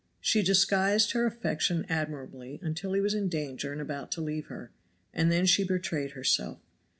She disguised her affection admirably until he was in danger and about to leave her and then she betrayed herself.